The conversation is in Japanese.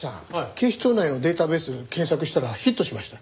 警視庁内のデータベース検索したらヒットしました。